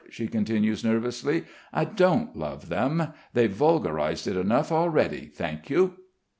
she continues nervously. "I don't love them. They've vulgarised it enough already, thank you."